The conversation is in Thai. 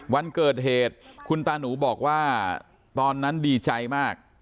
วันเกิดเหตุคุณตาหนูบอกว่าตอนนั้นดีใจมาก